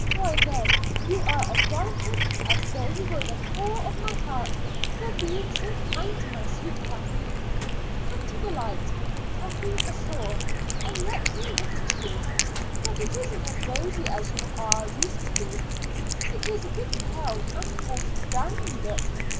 Why, then, you are as welcome as though you were the core of my heart for being so kind to my sweet Kathleen. Come to the light, Kathleen asthore, and let me look at you. But it isn't as rosy you are as you used to be. It's a bit pale and pulled down you look.